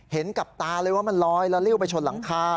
เห็นกับตาเลยว่ามันลอยแล้วริ้วไปชนหลังคา